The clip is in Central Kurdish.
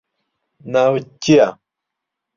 ناوت چییە؟